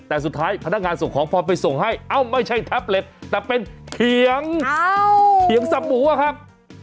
แต่สุดท้ายพนักงานส่งของพอไปส่งให้เอ้าไม่ใช่แท็บเล็ตแต่เป็นเขียงเขียงสับหมูอะครับ